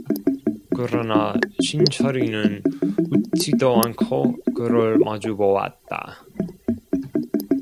그러나 신철이는 웃지도 않고 그를 마주보았다.